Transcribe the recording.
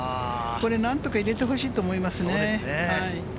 何とか入れてほしいと思いますね。